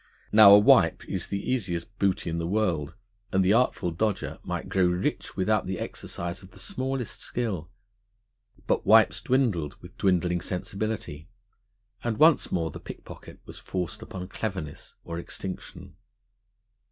Now, a wipe is the easiest booty in the world, and the Artful Dodger might grow rich without the exercise of the smallest skill. But wipes dwindled, with dwindling sensibility; and once more the pickpocket was forced upon cleverness or extinction.